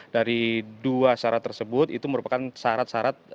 dari dua syarat tersebut itu merupakan syarat syarat